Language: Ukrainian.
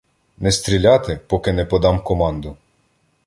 — Не стріляти, поки не подам команду.